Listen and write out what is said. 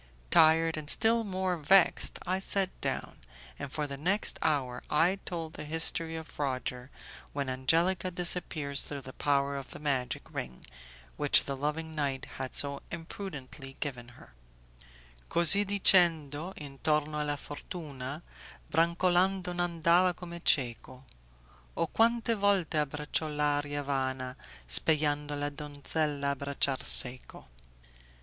Tired and still more vexed, I sat down, and for the next hour I told the history of Roger, when Angelica disappears through the power of the magic ring which the loving knight had so imprudently given her: 'Cosi dicendo, intorno a la fortuna Brancolando n'andava come cieco. O quante volte abbraccio l'aria vana Speyando la donzella abbracciar seco'.